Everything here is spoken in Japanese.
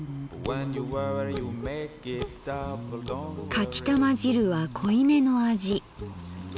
「かきたま汁は濃い目の味。